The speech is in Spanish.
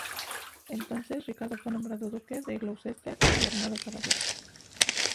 Entonces, Ricardo fue nombrado duque de Gloucester y armado caballero.